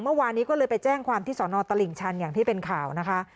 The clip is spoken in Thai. เมื่อวานนี้ก็เลยไปแจ้งความที่สอนอตลิ่งชันอย่างที่เป็นข่าวนะคะ